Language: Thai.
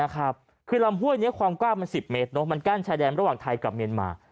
คือลำห้วยนี้ความกว้างมัน๑๐เมตรมันกั้นชายแดนระหว่างไทยกับเมียนมา